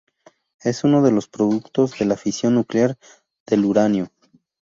Es uno de los productos de la fisión nuclear del uranio.